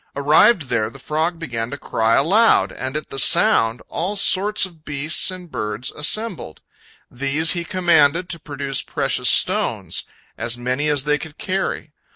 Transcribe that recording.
Arrived there, the frog began to cry aloud, and at the sound all sorts of beasts and birds assembled. These he commanded to produce precious stones, as many as they could carry.